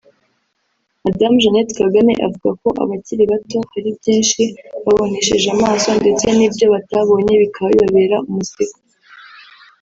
Madamu Jeannette Kagame avuga ko abakiri bato hari byinshi babonesheje amaso ndetse n’ibyo batabonye bikaba bibabera umuzigo